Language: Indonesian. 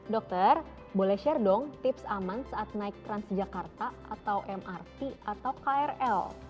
dokter boleh share dong tips aman saat naik transjakarta atau mrt atau krl